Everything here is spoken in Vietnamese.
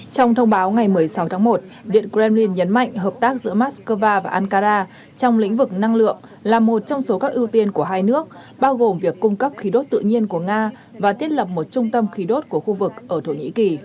trong thông báo ngày một mươi sáu tháng một điện kremlin nhấn mạnh hợp tác giữa moscow và ankara trong lĩnh vực năng lượng là một trong số các ưu tiên của hai nước bao gồm việc cung cấp khí đốt tự nhiên của nga và thiết lập một trung tâm khí đốt của khu vực ở thổ nhĩ kỳ